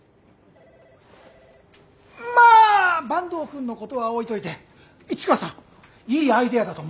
まあ坂東くんのことは置いといて市川さんいいアイデアだと思う。